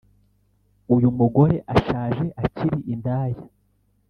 uyumugore ashaje akiri indaya